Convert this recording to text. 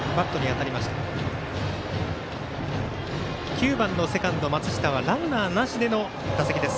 ９番のセカンド、松下はランナーなしでの打席です。